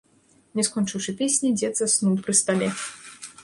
Не скончыўшы песні, дзед заснуў пры стале.